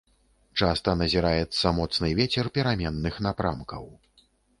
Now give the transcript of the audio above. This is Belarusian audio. Часта назіраецца моцны вецер пераменных напрамкаў.